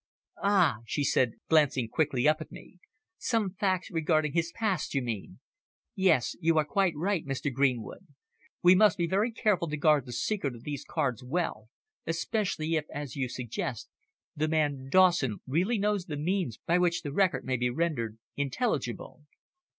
"Ah!" she said, glancing quickly up at me. "Some facts regarding his past, you mean. Yes. You are quite right, Mr. Greenwood. We must be very careful to guard the secret of these cards well, especially if, as you suggest, the man Dawson really knows the means by which the record may be rendered intelligible."